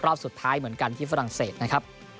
รอบสุดท้ายเหมือนกันที่ฝรั่งเศสนะครับ